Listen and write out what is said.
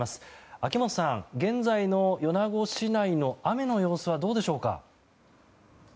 秋本さん、現在の米子市内の雨の様子はどうでしょうか。